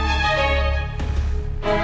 aku mau ke kamar